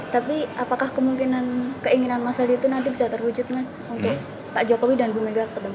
tapi apakah keinginan masyarakat itu nanti bisa terwujud mas untuk pak jokowi dan bumegak